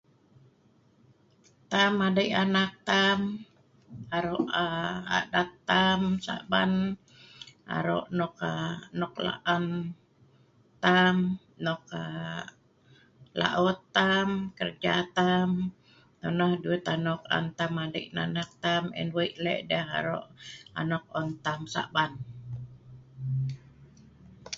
Tam madik anak tam, arok aa adat tam Saban, aa arok nok laan tam, laot tam, kerja tam nonoh dut anok on tam madik ngui anak tam on wik lek tau madik anok on tam Saban